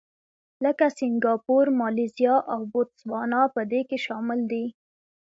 لکه سینګاپور، مالیزیا او بوتسوانا په دې کې شامل دي.